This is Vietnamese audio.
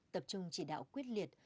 tập trung chỉ đạo quyết liệt